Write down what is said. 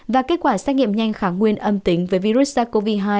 và kết quả xách nghiệm nhanh kháng nguyên âm tính với virus sars cov hai